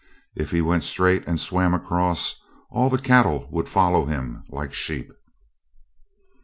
If he went straight, and swam across, all the cattle would follow him like sheep.